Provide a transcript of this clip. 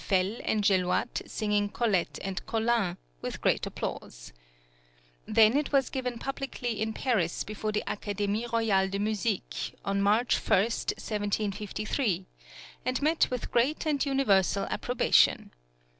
Fel and Jeliotte singing Colette and Colin, with great applause. Then it was given publicly in Paris before the Académie Royale de Musique on March 1, 1753, and met with great and universal approbation.